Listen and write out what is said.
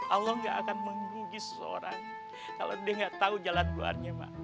allah gak akan menggugis seseorang kalau dia gak tahu jalan keluarnya mak